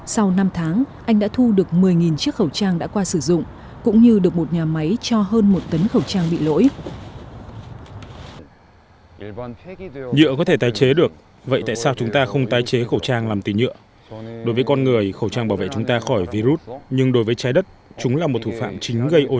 sau năm tháng anh đã thu được một mươi chiếc khẩu trang đã qua sử dụng cũng như được một nhà máy cho hơn một tấn khẩu trang bị lỗi